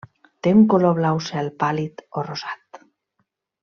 Té un color blau cel pàl·lid o rosat.